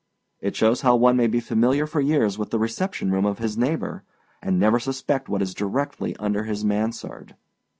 It shows how one may be familiar for years with the reception room of his neighbor, and never suspect what is directly under his mansard.